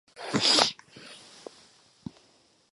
We're going to be late.